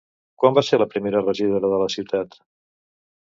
Quan va ser la primera regidora de la ciutat?